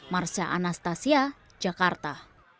marsya anastasia jakarta